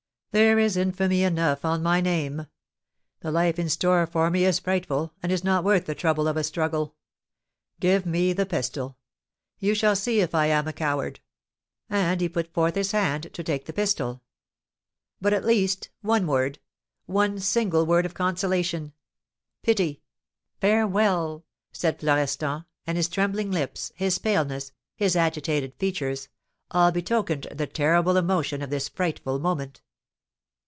There is infamy enough on my name! The life in store for me is frightful, and is not worth the trouble of a struggle. Give me the pistol! You shall see if I am a coward!" and he put forth his hand to take the pistol. "But, at least, one word, one single word of consolation, pity, farewell!" said Florestan; and his trembling lips, his paleness, his agitated features, all betokened the terrible emotion of this frightful moment.